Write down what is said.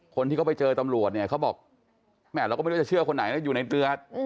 คนที่เขาไปเจอตำรวจเนี่ยเขาบอกแม่เราก็ไม่รู้จะเชื่อคนไหนนะอยู่ในเรือ